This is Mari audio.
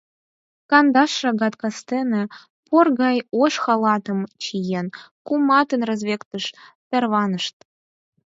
Кандаш шагат кастене, пор гай ош халатым чиен, кумытын разведкыш тарванышт.